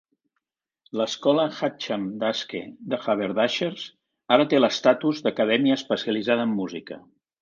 L'escola Hatcham d'Aske de Haberdashers ara té l'estatus d'acadèmia especialitzada en música.